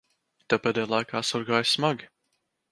Tev pēdējā laikā esot gājis smagi.